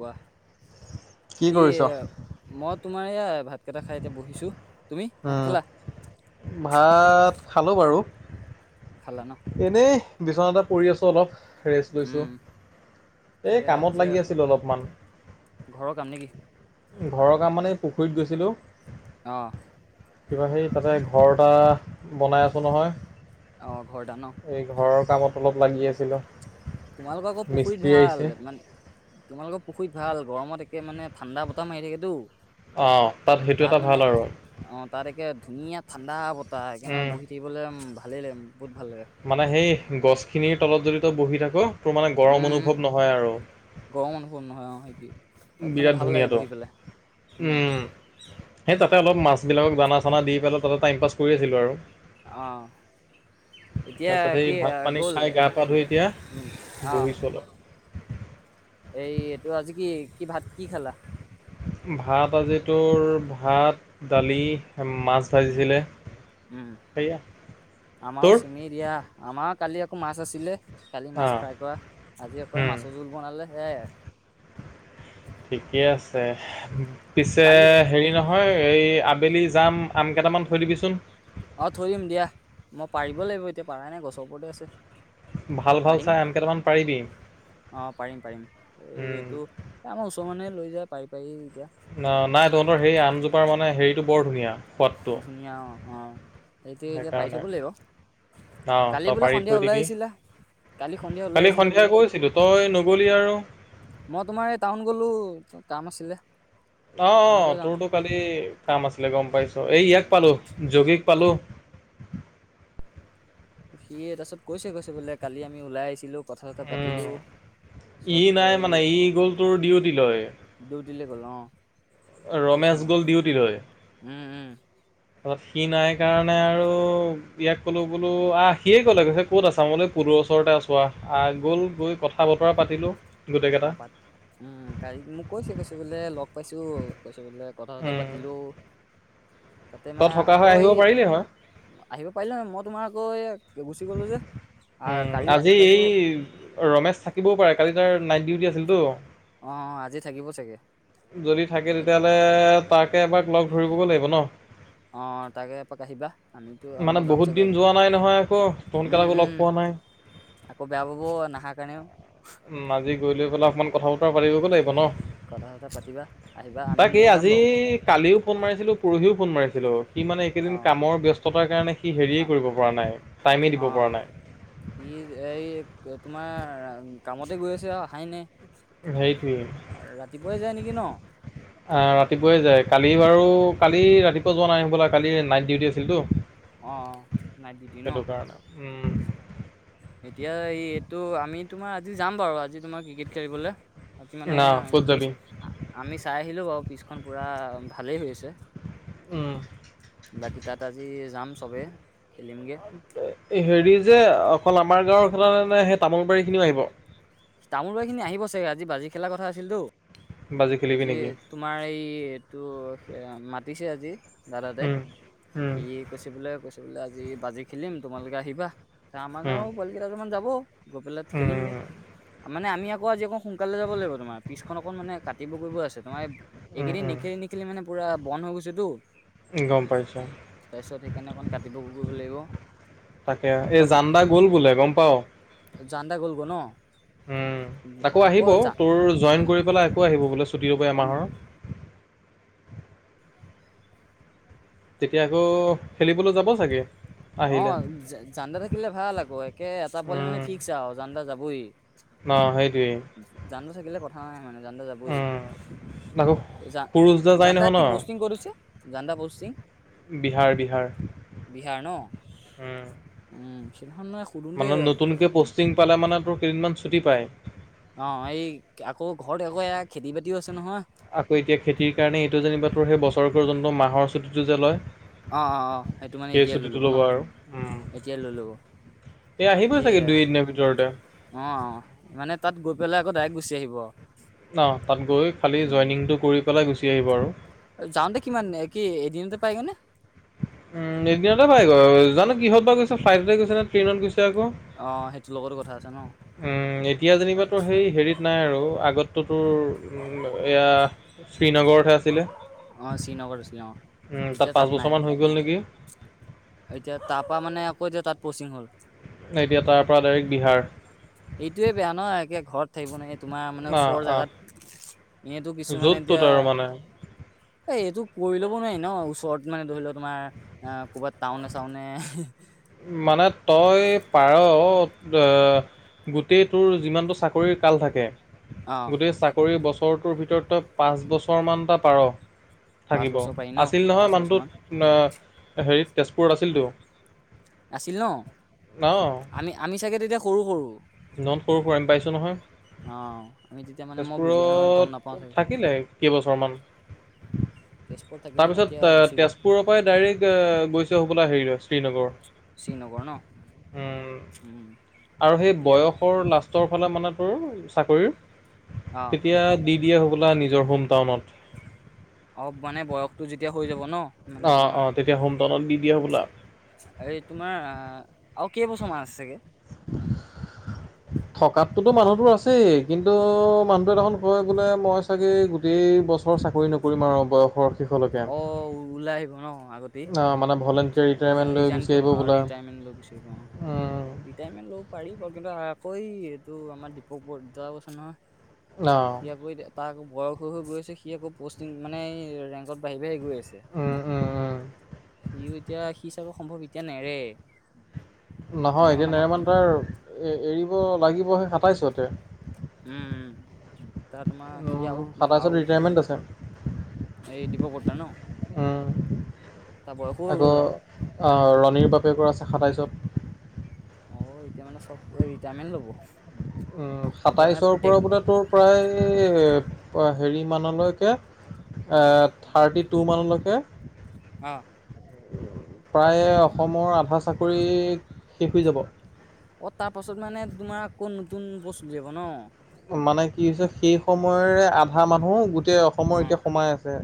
কোৱা কি মত তোমাৰ সেইয়া ভাতকেইটা খাই এতিয়া বহিছো। তুমি ভাত উম, খালা ভাত খালো বাৰু। খালা ন এনেই বিচনাতে পৰি আছো অলপ। ৰেষ্ট লৈছোঁ, উম এই এ আজি কামত লাগি আছিলোঁ অলপমান। ঘৰৰ কাম নেকি। ঘৰৰ কাম মানে পুখুৰীত গৈছিলো। অ কিবা সেই তাতে ঘৰ এটা বনাই আছ নহয়। অ' ঘৰটা ন। এই ঘৰৰ কামত অলপ লাগি আছিলে। তোমালোকৰ আকৌ পুখুৰীত ভাল মান- তোমালোকৰ পুখুৰীত ভাল গৰমত একে মানে ঠাণ্ডা বতাহ মাৰি থাকেতো। অ' তাত সেইটো এটা ভাল আৰু। অ তাত একে ধুনীয়া ঠাণ্ডা বতাহ এইকনত উম। বহি থাকিবলে ভালেই লাগে। বহুত ভাল লাগে মানে সেই গছখিনিৰ তলত যদি তই বহি থাক। ত মানে গৰম উম উম, অনুভৱ নহয় আৰু। গৰম অনুভৱ নহয় অ সেইটোৱে তাত মানে বিৰাট ভাল লাগে ধুনীয়াটো। বহি পেলাই উম, সেই তাতে অলপ মাছ বিলাকক জানা চানা দি পেলাই তাতে টাইম পাছ কৰি আছিলোঁ আৰু। অ'। এতিয়া তাৰপিছত সেই কি, ভাত পানী গ'ল খাই গা পা ধুই এতিয়া অ'। বহিছোঁ অলপ এই এইটো আজি কি- কি ভাত কি খালা। ভাত আজি তোৰ ভাত দালি। মাছ ভাজিছিলে উম-উম, সেয়া আমাৰো তোৰ চেমেই দিয়া আমাক কালি আকৌ মাছ আছিলে কালি মাছ অঁ ফ্ৰাই কৰা, আজি আকৌ মাছৰ জোল বনালে সেয়াই আৰু ঠিকেই আছে। পিছে কালি হেৰি নহয় এই আবেলি যাম আম কেইটামান থৈ দিবিচোন অ থৰিম দিয়া মই পাৰিব লাগিব এতিয়া পাৰাই নাই গছৰ ওপৰতে আছে ভাল ভাল পাৰিম চাই আন কেইটামান পাৰিবি অ পাৰিম পাৰিম এই এইটো আমাৰ ওচৰ মানুহে লৈ যায় পাৰি পাৰি এতিয়া ন নাই তহঁতৰ হে আমজোপাৰ মানে হেৰিতটো বৰ ধুনীয়া সোৱাদটো ধুনীয়া অ অ সতিয়া এতিয়া পাৰি থব লাগিব ন কালি তই বোলে সন্ধিয়া পাৰতকৈ ওলাই দিবি আহিছিলা কালি সন্ধিয়া ওলাই কালি আহিছিলা বোলে সন্ধিয়া গৈছিলো তই নগলি আৰু মই তোমাৰ এই টাউন গলো কাম আছিলে অ টাউনলৈ অ যাওঁ তোৰতো কালি কাম আছিলে গম পাইছ এই ইয়াক পালো জোগীক পালো সি তাৰাছতৈছে কৈছে বোলে কালি আমি ওলাইিছিলো উম ই নাই এই মানে ই গ'লটোৰ ডিউটি লয় লৈ গ'লোঁ ৰমেশ গ'ল ডিউটিলৈ উম উম তাৰপিছত সি নাই কাৰণে আৰু ইয়াক ক'লো বলো আহিয়ে ক'লে কৈছে ক'ত আছা মোলৈ পুলৰ ওচৰতে আছো আহ গ'ল গৈ কথা পালো অ প উম কালি মোক কৈছে কৈছে বোলে লগ পাইছো কৈছ কথা চথা উম পাতিলেও তাতে তই মানে থকা হৈ আকৌ আহিব এই পাৰিলি হয় আহিব পাৰিলে নহয় মত তোমাৰ আকৌ এ গুচি গ'লো যে আহ উম কালি আহি আজি পাইছো এই ৰমেশ থাকিবও পাৰে কালি নাইট ডিউটি আছিলতো অ আজি থাকিব চাগে যদি থাকে তেতিয়াহ'লে তাকে এবাক লগ ধৰিবগৈ লাগিব ন অ' তাকে এপাক আহিবা আমিতো মানে মই যাম বহুত চাগে দিন আজি যোৱা নাই নহয় আকৌ উম তহঁতকেইটাকো লগ উম পোৱা নাই আকৌ বেয়া বাবু নহা কাৰণেও আজি গৈ লৈ পেলাই অকণমান কথা বতৰা পাৰিবগৈ লাগিব ন কথা চথা পাতিবা আহিবা আমি তাক এই ময়ো যাম আজি বাৰু কালিও ফোন মাৰিছিলো পৰহিও ফোন মাৰিছিলো সি মানে এইকেইদিন অ কামৰ ব্যস্ততাৰ কাৰণে সি হেৰিয়েই কৰিব পৰা নাই টাইমেই দিব পৰা নাই ই এই তোমাৰ কামতে গৈ আছে আৰু হাইনে নেকি ন সেইটোৱেই আহ ৰাতিপুৱাইে যায় কালি বাৰু কালি ৰাতিপুৱা যোৱা নাই বোলা কালি নাইট ডিউটি আছিলতো অ নাইট ডিউটি ন সেইটো কাৰণে উম এতিয়া এই এইটো আমি তোমাৰ আজি যাম বাৰু আজি তোমাৰ ক্ৰিকেট খেলিবলৈ আজি মানে না ক'ত পিছ যাবি আমি চাই আহিলো বাৰু পিছখন পুৰা ভালেই হৈ আছে উম, বাকী তাত আজি যাম চবে খেলিমগে হেৰি যে অকল আমাৰ গাঁৱৰ কাৰে সেই তামোলবাৰী খিনিও আহিব তামোল বাৰী খিনি আহিব চাগে আজি বাজি খেলা কথা আছিলতো বাজি খেলিবি আজি নেকি তোমাৰ এই এইটো উতিছে আজি দাদাতে উম, উম। সি কৈছে বোলে কৈছে বোলে আজি বাজি খেলিম তোমালোকে আহিবা আমাৰ উম, গাঁওৰ পোৱালিকেইাজমান যাব গোপিললথ উম, খেলিমগৈ উম, মানে আমি আকৌ আজিকৌ সোনকালে যাব লাগিব তোমাৰ পিছখন অকণ মানে কাটিব কৰিব আছে তোমাৰ এই উম, এইকেইদিন উম, নেখেলি নিেখেলি মানে পুৰা বন্ধ হৈ গৈছে তো গম পাইছোঁ। তাৰপিছত সেইকাৰণে অকণ কাটিব কৰিব লাগিব তাকে এই জান্দা গ'ল বোলে গম পাও জদা গলগ ন উম আকৌ আহিব তোৰ জইন উম কৰি পেলাই আকৌ আহিব বোলে ছুটি ৰ'ব এমাহৰ তেতিয়া আকৌ খেলিবলৈ যাব চাগে অ আহিলে। জানদা থাকিলে ভাল আকৌ একে এটা পোৱালি মানে ফিক্স আৰু জানদা যাবই নহ সেই জানটো থাকিলে কথা নাই মানে জানটো যাবই উম, আকৌ য সুৰুজ দা যায় জানদা নহয় ন? কি পষ্টিং কত হৈছে জানদাৰ পষ্টিং বিহাৰ বিহাৰ বিহাৰ ন উম সেইদিনাখন মই সুধোতে মানে নতুনকে পষ্টিং পালে মানে তোৰ কেইদিনমান ছুটি পায় অ এই আকৌ ঘৰত আকৌ এয়া খেতি বাতিও আছে নহয় আকৌ এতিয়া খেতিৰ কাৰণে এইটো যেনিবা তোৰ সেই বছৰকৰ যোনটো মাহৰ চুটীটো যে লয় অ অ অ সেইটো মানে সেই এতিয়াই লৈ ছুটিটো ল'ব ন আৰু উম। এতিয়াই লৈ ল'ব এই আহিবই তাকে চাগে দুই এদিনৰ ভিতৰতে অ' মানে তাত গ পেলাই আকৌ দাইৰেক্ট গুচি আহিব ন তাত গৈ খালি জইনিংটো কৰি পেলাই গুচি আহিব আৰু যাও তে কিমান কি এদিনতে পাইগেনে উম এদিনতে পাই গ জানো কিহতৰ বা গৈছ ফ্লাইটতে গৈছে নে ট্ৰেইনত গৈছে আকৌ অ সেইটো লগতো কথা আছে ন উম এতিয়া যেনিবাতো সেই হেৰিত নাই আৰু আগত তো তোৰ এয়া শ্ৰীনগৰতহে আছিলে অ শ্ৰীনগৰত আছিলে অ উম, এতিয়া পাঁচ তাত নাই বছৰমান হৈ গ'ল নেকি এতিয়া তাৰাপা মানে আকৌ এতিয়া তাত পস্টিং হল এতিয়া তাৰ পৰা ডাইৰেক্ট বিহাৰ, এইটোয়ে বেয়া ন একে ঘৰত থাকিব নোৱাৰে তোমাৰ মানে অ ওচৰৰ অ জোগাত এতিয়াটো কিছুমানে য'ত এতিয়া ত'ত আৰু মানে এ এইটো কৰিলো। নোৱাৰি ন ওচৰত মানে ধৰি লও তোমাৰ অ ক'ৰবাত টাউনে চাউনে মানে তই পাৰ অ এ গোটেই তোৰ যিমানটো চাকৰি কাল থাকে অ গোটেই চাকৰি বছৰটোৰ ভিতৰত তই পাঁচ বছৰমানটা পাৰ পাঁচ থাকিব বছৰ পাৰি ন আছিল পাঁচ নহয় বছৰ মান মানুহটোত ন হেৰিত তেজপুৰত আছিলতো। আছিল ন আমি আমি চাগে তেতিয়া সৰু-সৰু। নট সৰু সৰু আমি পাইছো নহয় অ আমি তেতিয়া মানে মই বুজি গম নাপাওঁ তেজপুৰত চাগে থাকিলে কেইবছৰমান তেজপুৰত থাকি মানে এতিয়া তাৰপিছত গুচি গ'ল তেজপুৰৰ পৰাই ডাইৰেক্ট গৈছে হ'বলা হেৰি লৈ শ্ৰীনগৰ শ্ৰীনগৰ ন অ উম আৰু সেই এতিয়া বয়সৰ লাষ্টৰ ফালে মানে চাকৰি অ তেতিয়া দি দিয়ে হ'বলা নিজৰ হোম টাউনত, অলপ মানে বয়সতটো যেতিয়া হৈ যাব ন মানে অ তোমাৰ অ তেতিয়া হোম টাউনত দি দিয়ে হ'বলা এই তোমাৰ আহ আৰু কেইবছৰমান আছেগে থকাতটোতো মানুহটোৰ আছেই কিন্তু মানুহটোৱে দেখোন কয় বোলে মই চাগে গোটেই বছ চাকৰি নকৰিম আৰু বয়সৰ শেষলৈকে। অ ওলাই আহিব ন অ মানে বহ অ ৰি ৰিজাইন অ ৰিটায়াৰমেন্ট লৈ গুচি আহিব অ উম ৰিটাৰমেন্ট ল পাৰিব কিন্তু আকৌ এইটো আমাৰ দীপক বডেউতাও আছে নহয় অ সি আকৌ তাৰ আকৌ বয়স হৈ হৈ গৈ আছে সি আকৌ পষ্টিং মানে ৰেংকত বঢ়ি বাঢি গৈ আছে উম উম উম সিও এতিয়া সি চাব সম্ভৱ এতিয়া নেৰেই নহয় এতিয়া নেৰেমানে তাৰ এৰিব লাগিবহে সাতাইছতে। উম উম তাত তোমাৰ সি উম আৰু উপ সাতাইছত আৰু ৰিটায়াৰমেণ্ট আছে। এই দীপক বৰ্তা ন উম তাৰ বয়সো হৈ আকৌ গ'ল আউ অ' ৰণীৰ বাবে কৰা আছে সাতাইছত। অ এতিয়া মানে চব ৰিটায়াৰমেণ্ট ল'ব উম এতিয়া মানে সাতাইছৰ পৰা পুতেক বোলে তোৰ প্ৰায় হেৰি মানলৈকে অ এ থাৰ্টি টু মানলৈকে অ'। প্ৰায়ে অসমৰ আধা চাকৰি শেষ হৈ যাব। অ' তাৰ পাছত মানে তোমাৰ আকৌ নতুন প'ষ্ট উলিয়াব ন। মানে কি হৈছে সেই সময়ৰে আধা মানুহ গোটেই অসমৰ অ এতিয়া সোমাই আছে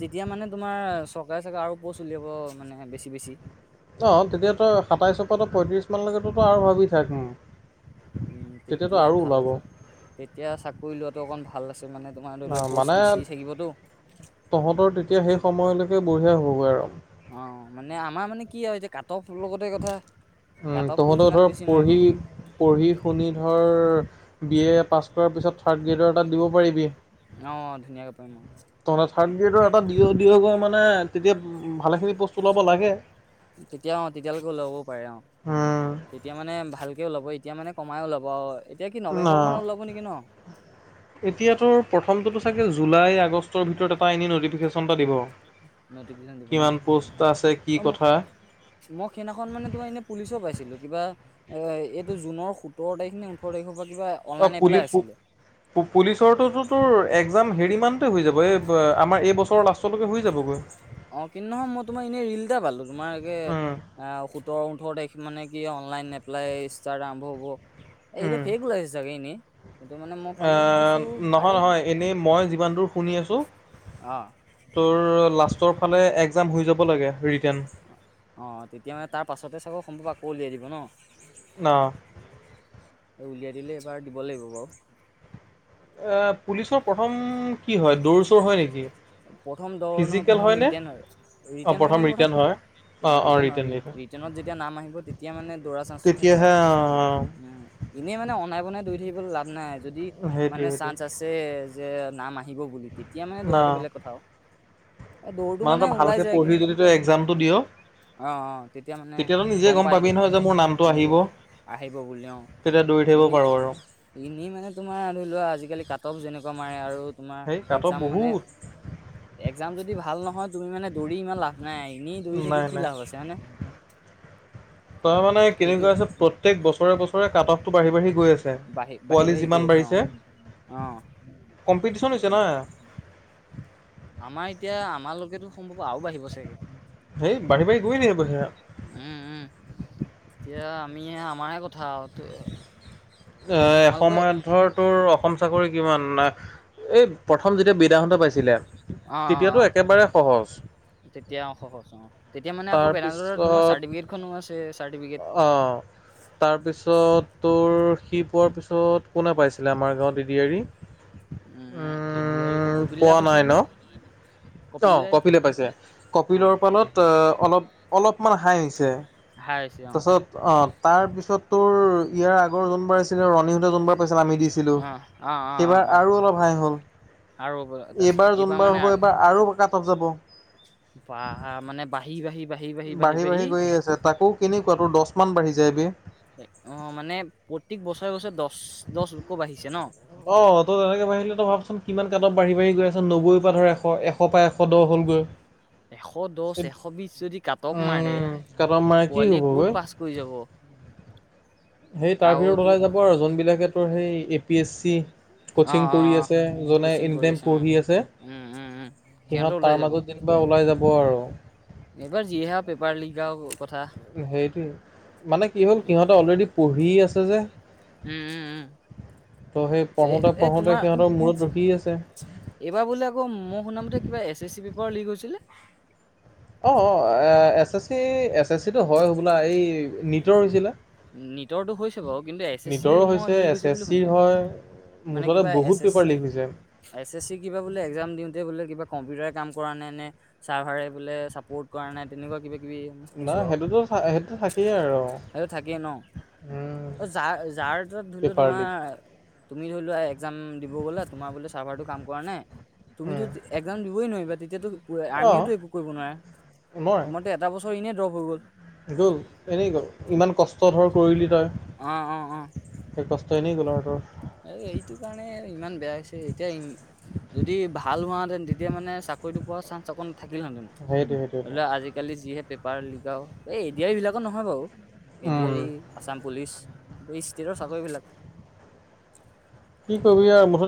তেতিয়া মানে তোমাৰ চৰকাৰে ছাগে আৰু প'ষ্ট উলিয়াব মানে বেছি- বেছি। অ' তেতিয়াতো সাতাইশৰ পৰা পয়ত্ৰিশ মানলৈকেতো আৰু ভাবি থাক উম তেতিয়াতো তেতিয়া আৰু ভাল ওলাব। হ'ব তেতিয়া চাকৰি লোৱাটো অকন ভাল আছে। মানে তোমাৰ ধৰি অ লওক মানে প'ষ্ট বেছি থাকিবতো। তহঁতৰ তেতিয়া সেই সময়লৈকে বঢ়িয়া হ'বগৈ আৰু অ' মানে আমাৰ মানে কি হয় আৰু এতিয়া কাট অফ লগতে কথা। কাট উম অফটো তহঁতেও যিমান ধৰ বেছি মাৰিব পঢ়ি পঢ়ি শুনি ধৰ বি এ পাছ কৰাৰ পিছত থাৰ্ড গ্ৰেডৰ এটা দিব পাৰিবি। অঁ ধুনীয়াকে পাৰিম অ তহঁতে থাৰ্ড গ্ৰেডৰ এটা ডিঅ' ডি অ' গৈ মানে তেতিয়া ভালেখিনি প'ষ্ট ওলাব লাগে। তেতিয়া অ' তেতিয়ালৈকে ওলাবও পাৰে অ' উম তেতিয়া মানে ভালকেও ওলাব ই এতিয়া মানে কমাই ওলাব আৰু। এতিয়া কি ন নৱেম্বৰ মানত ওলাব নেকি ন? এতিয়াতো প্ৰথমটোতো চাগে জু জুলাই আগষ্টৰ ভিতৰত এটা এনে নটিফিকেশ্যন এটা দিব। নটিফিকেশ্যন দিব ন কিমান পোষ্ট আছে কি অ' কথা মই সেইদিনাখন মানে তোমাৰ এনে পুলিচৰ পাইছিলো কিবা। এ এইটো জুনৰ সোতৰ তাৰিখ নে ওঠৰ তাৰিখৰ পৰা কিবা অ অনলাইন এপ্লাই পুলি আছিলে। পুলিচৰটোতো তোৰ একজাম হেৰিমান হৈ যাব এই আমাৰ এই বছৰৰ লাষ্টলৈকে হৈ যাবগৈ। অ' কিন্তু নহয় মই তোমাৰ এনেই ৰিল এটা পালো তোমাৰ একে উম আ সোতৰ ওঠৰ তাৰিখ মানে কি অনলাইন এপ্লাই ইষ্টাৰ্ট আৰম্ভ হ'ব। এতিয়া উম ফেক ওলাইছে ছাগে এনেই। কিন্তু মানে মই এ পালো মইছো নহয়- আৰে নহয় এনেই মই যিমান দূৰ শুনি আছোঁ অ তোৰ লাষ্টৰ ফালে একজাম হৈ যাব লাগে ৰি অ'- অ' তেতিয়া মানে তাৰ পাছতে চাগৈ সম্ভৱ আকৌ উলিয়াই দিব ন। ন। এই উলিয়াই দিলে এবাৰ দিব লাগিব বাৰু। এ পুলিচৰ প্ৰথম কি হয় দৌৰ চৌৰ হয় নেকি। প্ৰথম দৌৰ নহয় ফিজিকেল প্ৰথম হয়নে? ৰিটেণ অঁ ৰিটেণ হয় নেকি প্ৰথম ৰিটাৰ্ণ হয় অ' অঁ অঁ ৰিটেণ হয় ৰিটাৰ্ণ ৰিটাৰ্ণ ৰিটেণত যেতিয়া নাম আহিব তেতিয়া মানে দৌৰাৰ চান্সটো থাকে তেতিয়াহে আৰু অঁ উম। এনেই মানে অনাই বনাই দৌৰি লাভ নাই যদি সেইটোৱে মানে সেইটোৱে চান্স আছে যে নাম আহিব বুলি তেতিয়া মানে না দৌৰাটো বেলেগ। কথা আৰু এ দৌৰটো মানে তই ওলাই ভালকে যায় কি পঢ়ি যদি তই একজামটো দিয়। অ অ তেতিয়া মানে তেতিয়াতো নিজে গম পায় পাবি এইটো নহয় যে মোৰ নামটো নিজে আহিব। আহিব বুলি অ তেতিয়া দৌৰি থাকিব এনেই পাৰো আৰু এনেই মানে তোমাৰ ধৰি লোৱা আজিকালি কাট অফ যেনেকুৱা মাৰে আৰু সেই তোমাৰ কাট অফ একজাম মানে বহুত একজাম যদি ভাল নহয় তুমি মানে দৌৰি ইমান লাভ নাই এনেই দৌৰি থাকি কি লাভ আছে হয়নে তাৰ মানে সেইটোৱে কেনেকুৱা আছে প্ৰত্যেক বছৰে বছৰে কাট অফটো বাঢ়ি বাঢ়ি গৈ আছে বাঢ়ি বাঢ়ি পোৱালি বাঢ়ি গৈ যিমান আছে অ বাঢ়িছে অ কম্পিটিছন হৈছে ন [inaudible] আমাৰ এতিয়া আমাৰলৈকেতো সম্ভৱ আৰু বাঢ়িব চাগে। সেই বাঢ়ি বাঢ়ি গৈ থাকিব সেয়া উম উম এতিয়া আমি আমাৰে কথা আৰু এ তোমালোকে এসময়ত ধৰ তোৰ অসম চাকৰি কিমান এই প্ৰথম যেতিয়া বিদাহন্তে পাইছিলে অ' অ' তেতিয়াতো অ' একেবাৰে সহজ তেতিয়া অ' সহজ অ এতিয়া মানে আকৌ [unintelligible] তাৰপিছত চাৰ্টিফিকেটখনও আছে। চাৰ্টিফিকেট অ' তাৰপিছত তোৰ সি পোৱাৰ পিছত কোনে পাইছিলে আমাৰ গাঁৱত এডিয়াৰি? উম, এডিয়াৰি কপিলা পোৱা নাই পাইছে ন? নেকি? কপিল অ' দাই কপিলে পাইছে অ কপিলৰ ফালত অ' অলপ অলপমান হাঁই আহিছে। হায়াৰ হৈছে অ তাৰপাছত অ' তাৰ পিছত তোৰ ইয়াৰ আগৰ জোনবাৰ আছিলে ৰণীহুতে জোনবাৰ তাৰপাছত আমি দিছিলো অ অ অ অ সেইবাৰ অ আৰু অলপ হায় হ'ল। আৰু তাৰপিছত এইবাৰ যোনবাৰ হ'ব মানে এইবাৰ আৰু কাটত যাব বা মানে বাঢ়ি, বাঢ়ি বাঢ়ি বাঢ়ি গৈয়েই আছে, তাকো কেনেকুৱা তোৰ দছ মান বাঢ়ি যাই বে। অ' মানে প্ৰতিক বছৰে বছৰে দহ দহ লোকো বাঢ়িছে ন? অ' ত তেনেকে বাঢ়িলে তই ভাবচোন কিমান কাটঅফ বাঢ়ি বাঢ়ি গৈ আছে নবৈৰ পৰা ধৰ এশ এশ প এশ দহ হ'ল [unintelligible] এশ দহ এশ বিশ যদি কাট অফ মাৰে উম কাট অফ মাৰে কি পোৱালীয়ে ক'ত হ'বগৈ পাছ কৰি যাব। [inaudible] সেই তাৰ ভিতৰত আৰুতো ওলাই যাব আৰু জোনবিলাকে তোৰ সেই এ পি এছ চি অ কচিং অ কৰি অ আছে, জোনে কোচিং এনি কৰি টাইম আছে অ পঢ়ি আছে, উম উম উম সিহঁতৰ সিহঁত ওলাই তাৰ যাব মাজত যে বা ওলাই যাব আৰু। এইবাৰ যিয়ে হা পেপাৰ লিক আৰু [inaudible] সেইটোৱে, মানে কি হ'ল সিহঁতে অলৰেডি পঢ়ি আছে যে উম উম উম। ত' সেই এ পঢ়োতে এই পঢ়োতে তোমাৰ সিহঁতৰ মূৰত ৰখি আছে এইবাৰ বোলে আকৌ মই শুনামতে কিবা S S C paper leak হৈছিলে? অ' অ', এ S S C S S চিটো হয় বোলা এই নীটৰ হৈছিলে। নীটৰটো হৈছে বাৰু কিন্তু এছ এছ চি নীটৰো মই লিক এছ হৈছে এছ বুলি চিৰ শুনিছিলোঁ হয় মানে মুঠতে কিবা বহুত এছ পেপাৰ এছচি লিক হৈছে। এছ এছ চি কিবা বোলে এক্জাম দিওঁতে বোলে কিবা কম্পিউটাৰে কাম কৰা নাই নে, চাৰ্ভাৰে বোলে চাপৰ্ট কৰা নাই তেনেকুৱা কিবা কিবি নাই শুনিছোঁ আৰু সেইটোতো সেইটোতো থাকেই আৰু সেইটো থাকেই ন, উম অ' যাৰ যাৰ য'ত ধৰি লওঁ পেপাৰ লিক তোমাৰ তুমি ধৰি লোৱা এক্জাম দিব গলা তোমাৰ বোলে চাৰ্ভাৰটো কাম কৰা নাই তুমিটো উম একজাম দিবই নোৱাৰিবা তেতিয়াতো আৰ্মিও অঁ টো একো কৰিব নোৱাৰে, মই তোমাৰতো এটা বছৰ এনে ড্ৰপ হৈ গ'ল। গ'ল এনেই গ'ল, ইমান কষ্ট ধৰ কৰিলি তই, অ', তই কষ্ট নী কলাৰটোৰ এ এইটো কাৰণে ইমান বেয়া হৈছে, এতিয়া যদি ভাল হোৱাহেতেন তেতিয়া মানে চাকৰিটো পোৱা চাঞ্চ অকণ থাকিলহেঁতেনো, সেইটোৱে ধৰি সেইটোৱে ল'লে আজিকালি যিহে পেপাৰ লিকাওঁ এই এডিয়াৰীৰ এইবিলাকো নহয় বাৰু এ ডি উম আৰি, আছাম পুলিচ কিন্তু এই ষ্টেটৰ চাকৰিবিলাক কি ক'বি আৰু মুঠতে